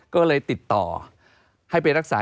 ก็เลยติดต่อให้ไปรักษา